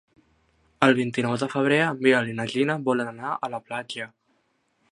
El vint-i-nou de febrer en Biel i na Gina volen anar a la platja.